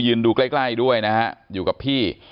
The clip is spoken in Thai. ดูใกล้ด้วยนะฮะอยู่กับพี่